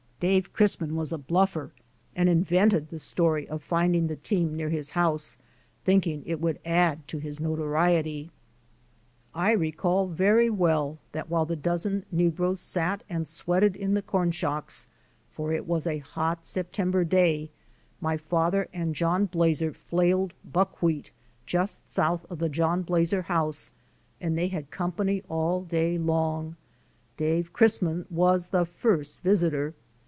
Dave Chris man was a bluffer and invented the story of finding the team near his house thinking it would add to his notoriety. 590 D. N. Blazer. j.l&h.s. I recall very well that while the dozen negroes sat and sweated in the corn shocks, for it was a hot September day, my father and John Blazer flailed buckwheat just south of the John Blazer house and they had company all day long. Dave Chrisman was the first visitor.